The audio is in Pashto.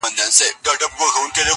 • کله به رڼا سي، وايي بله ورځ -